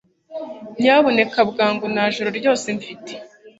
Nyamuneka bwangu Nta joro ryose mfite